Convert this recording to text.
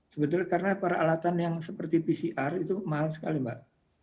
sebetulnya karena peralatan yang seperti pcr itu mahal sekali mbak